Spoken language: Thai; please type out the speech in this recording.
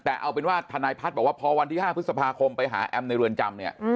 แต่เอาเป็นว่าทนายพัฒน์บอกว่าพอวันที่๕พฤษภาคมไปหาแอมในเรือนจำเนี่ย